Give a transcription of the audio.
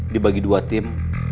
dibagi dua tim